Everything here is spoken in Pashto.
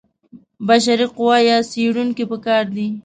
بشري قوه یا څېړونکي په کار دي.